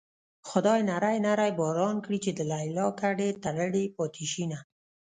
خدايه نری نری باران کړې چې د ليلا ګډې تړلې پاتې شينه